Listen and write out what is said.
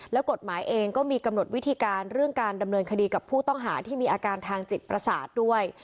แล้วกฎหมายเองก็มีกำหนดวิธีการเรื่องการดำเนินคดีกับผู้ต้องหาที่มีอาการทางจิตประสาทด้วย